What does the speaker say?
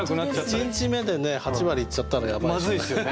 １日目でね８割いっちゃったらやばいですよね。